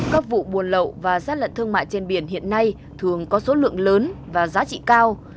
các vụ buôn lậu và gian lận thương mại trên biển hiện nay thường có số lượng lớn và giá trị cao